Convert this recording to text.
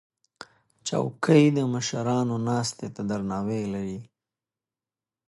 چوکۍ د مشرانو ناستې ته درناوی لري.